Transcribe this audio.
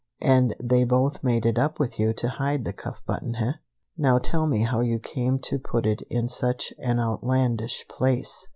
"And they both made it up with you to hide the cuff button, eh? Now tell me how you came to put it in such an outlandish place!